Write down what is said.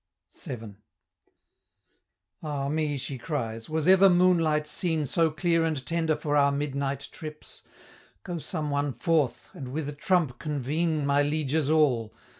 VII. "Ah me," she cries, "was ever moonlight seen So clear and tender for our midnight trips? Go some one forth, and with a trump convene My lieges all!"